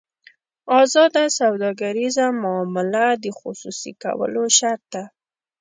ازاده سوداګریزه معامله د خصوصي کولو شرط ده.